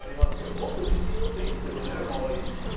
もっと自信持っていいですけどね可愛いし。